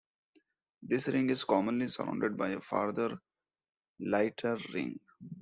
This ring is commonly surrounded by a farther lighter ring.